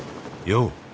よう！